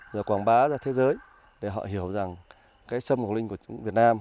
rồi quảng bá ra thế giới để họ hiểu rằng sân mộc linh của chúng việt nam